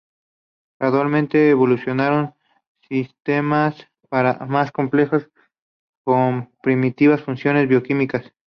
Gradualmente, evolucionaron sistemas más complejos con primitivas funciones bioquímicas.